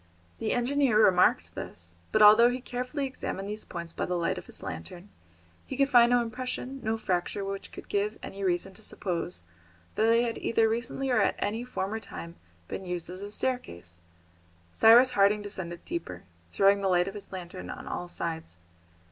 The engineer remarked this; but although he carefully examined these points by the light of his lantern, he could find no impression, no fracture which could give any reason to suppose that they had either recently or at any former time been used as a staircase. Cyrus Harding descended deeper, throwing the light of his lantern on all sides.